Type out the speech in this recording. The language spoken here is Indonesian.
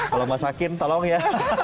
kalau enggak sakin tolong ya